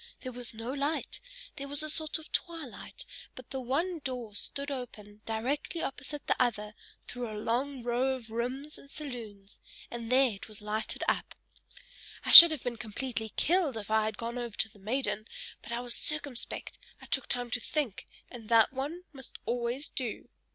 There was no light; there was a sort of twilight, but the one door stood open directly opposite the other through a long row of rooms and saloons, and there it was lighted up. I should have been completely killed if I had gone over to the maiden; but I was circumspect, I took time to think, and that one must always do."